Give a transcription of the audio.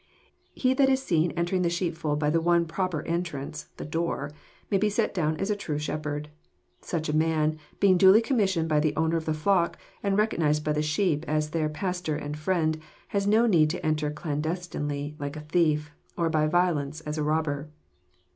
He that is seen entering the sheepfold by the one proper entrance, the door, may be set down as a true shepherd. Such a man, being duly commissioned by the owner of the flock, and recognized by the sheep as their pas«. tor and ftiend. has no need to enter clandestinely, like a thief, or by violence, as a robber.